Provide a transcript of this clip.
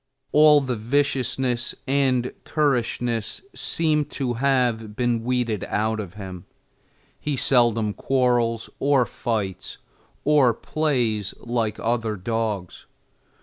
All the viciousness and currishness seem to have been weeded out of him; he seldom quarrels, or fights, or plays, like other dogs.